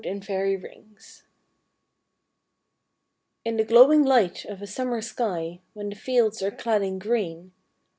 in Fairy Rings_ _In the glowing light of a Summer sky, When the fields are clad in green.